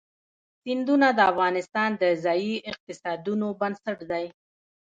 سیندونه د افغانستان د ځایي اقتصادونو بنسټ دی.